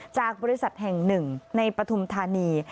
จากบริษัทแห่งหนึ่งในปฐุมธานี